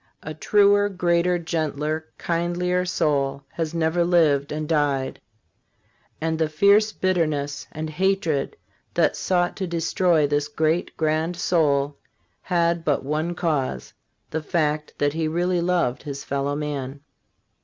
A truer, greater, gentler, kindlier soul has never lived and died ; and the fierce bitterness and hatred that sought to destroy this great, grand soul had but one cause — the fact that he really loved his fellow man.